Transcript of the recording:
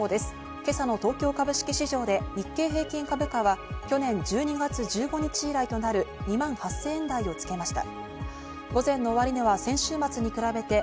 今朝の東京株式市場で日経平均株価は去年１２月１５日以来となる２万８０００円台をつけました。